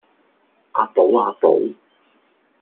啊寶啊寶